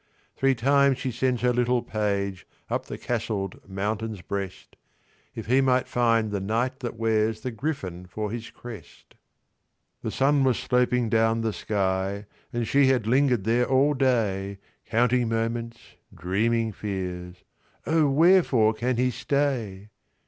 Three times she sends her little page Up the castled mountain's breast, 10 If he might find the Knight that wears The Griffin for his crest. The sun was sloping down the sky, And she had linger'd there all day, Counting moments, dreaming fears 15 Oh wherefore can he stay?